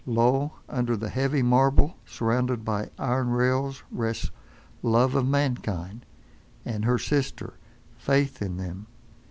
Lo! under the heavy marble surrounded by iron rails rests Love of mankind, and her sister Faith in them.